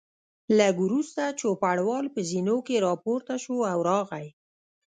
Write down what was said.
لږ وروسته چوپړوال په زینو کې راپورته شو او راغی.